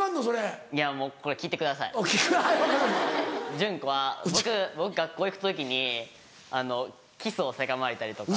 ジュンコは僕学校行く時にキスをせがまれたりとか。